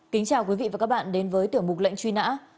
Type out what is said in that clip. kính chào quý vị và các bạn đến với tiểu mục lệnh truy nã